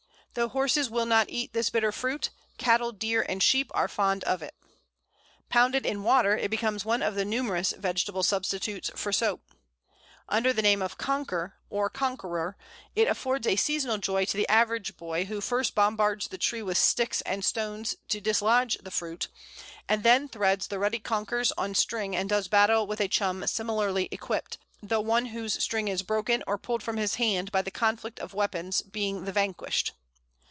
Though horses will not eat this bitter fruit, cattle, deer, and sheep are fond of it. Pounded in water, it becomes one of the numerous vegetable substitutes for soap. Under the name of Konker, or Conqueror, it affords a seasonal joy to the average boy, who first bombards the tree with sticks and stones to dislodge the fruit, and then threads the ruddy konkers on string and does battle with a chum similarly equipped, the one whose string is broken or pulled from his hand by the conflict of weapons being the vanquished.